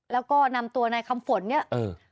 แล้วก็นำตัวในคำฝนเนี่ย